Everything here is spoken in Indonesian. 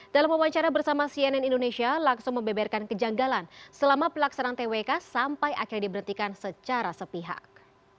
dalam wawancara bersama cnn indonesia lakso membeberkan kejanggalan selama pelaksanaan twk sampai akhirnya diberhentikan secara sepihak